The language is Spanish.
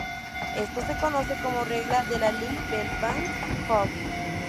Esto se conoce como regla de Le Bel-van't Hoff.